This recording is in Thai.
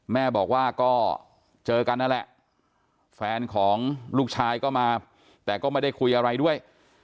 แม่บอกว่าก็เจอกันนั่นแหละแฟนของลูกชายก็มาแต่ก็ไม่ได้คุยอะไรด้วย